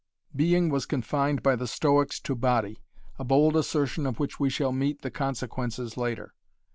Being was confined by the Stoics to body, a bold assertion of which we shall meet the consequences later.